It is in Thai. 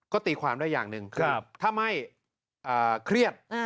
ก็ตีความได้อย่างหนึ่งคือถ้าไม่เครียด